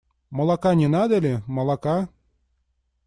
Молока не надо ли, молока?